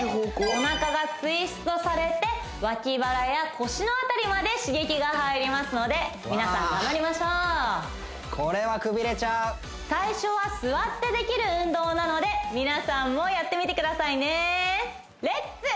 お腹がツイストされて脇腹や腰の辺りまで刺激が入りますので皆さん頑張りましょうこれはくびれちゃう最初は座ってできる運動なので皆さんもやってみてくださいねレッツ！